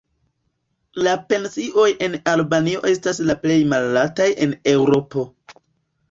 La pensioj en Albanio estas la plej malaltaj en Eŭropo.